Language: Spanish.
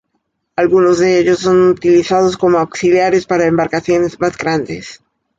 Algunos de ellos son utilizados como auxiliares para embarcaciones más grandes.